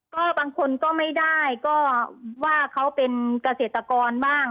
ก็บางคนก็ไม่ได้ก็ว่าเขาเป็นเกษตรกรบ้าง